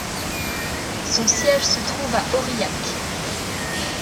Son siège se trouve à Aurillac.